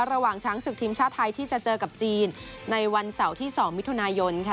ระหว่างช้างศึกทีมชาติไทยที่จะเจอกับจีนในวันเสาร์ที่๒มิถุนายนค่ะ